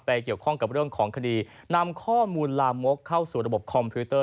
เกี่ยวข้องกับเรื่องของคดีนำข้อมูลลามกเข้าสู่ระบบคอมพิวเตอร์